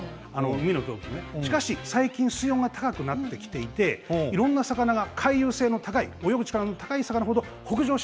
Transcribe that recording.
しかし最近水温が高くなってきていていろんな魚が回遊性の高い泳ぐ力の高い魚は上に。